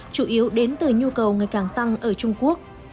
chủ yếu đến từ nhu cầu ngày càng tăng ở trung quốc